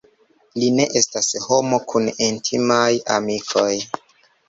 Li ne estas homo kun intimaj amikoj.